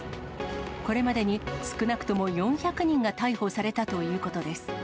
これまでに少なくとも４００人が逮捕されたということです。